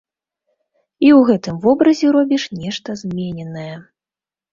І ў гэтым вобразе робіш нешта змененае.